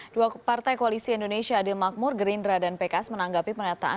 dua partai koalisi indonesia adil makmur gerindra dan pks menanggapi pernyataan